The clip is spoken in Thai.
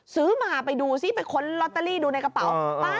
ซื้อมาไปดูซิไปค้นลอตเตอรี่ดูในกระเป๋า